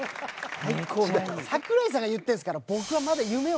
桜井さんが言ってんすから。